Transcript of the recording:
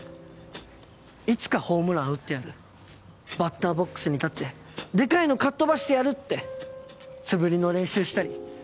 いつかホームラン打ってやるバッターボックスに立ってデカいのかっ飛ばしてやるって素振りの練習したり。